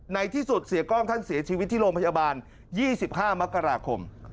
ในที่สุดเสียกล้องท่านเสียชีวิตที่โรงพยาบาล๒๕มกราคม